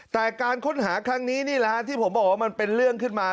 แต่การค้นหาครั้งนี้นี่แหละฮะที่ผมบอกว่ามันเป็นเรื่องขึ้นมา